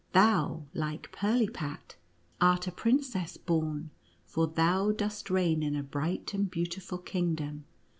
Thou, like Pirlipat, art a princess born, for thou dost reign in a bright and beautiful kingdom.